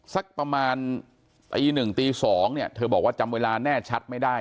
สักประมาณตีหนึ่งตี๒เนี่ยเธอบอกว่าจำเวลาแน่ชัดไม่ได้